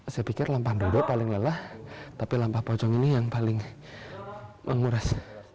saya pikir lampa dodok paling lelah tapi lampa pocong ini yang paling menguras